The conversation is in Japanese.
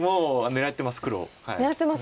狙ってます。